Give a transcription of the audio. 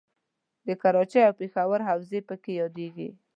د کراچۍ او پېښور حوزې پکې یادیږي.